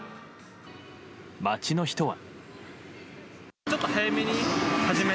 街の人は。